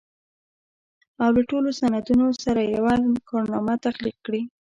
او له ټولو سندونو سره يوه کارنامه تخليق کړي.